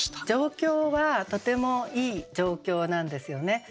状況はとてもいい状況なんですよね。